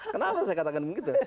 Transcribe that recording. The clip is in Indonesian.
kenapa saya katakan begitu